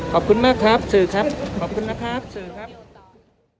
ขอบคุณมากครับสื่อครับ